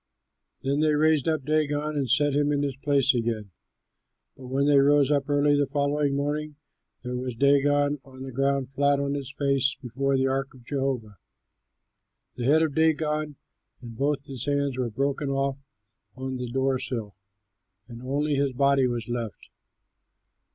Then they raised up Dagon and set him in his place again. But when they rose early on the following morning, there was Dagon on the ground flat on his face before the ark of Jehovah. The head of Dagon and both his hands were broken off on the door sill, and only his body was left.